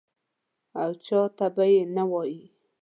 او چا ته به یې نه وایې.